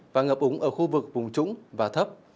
và ngập úng ở khu vực vùng trũng và thấp